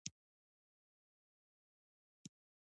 احمد کړاو نه شي ګاللای؛ په سايه کې لوی شوی دی.